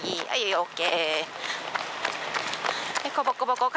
ＯＫ！